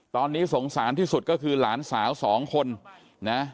ตอนนี้สงสารที่สุดก็คือหลานสาวสองคนนะ